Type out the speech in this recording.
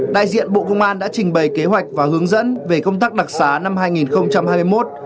đại diện bộ công an đã trình bày kế hoạch và hướng dẫn về công tác đặc xá năm hai nghìn hai mươi một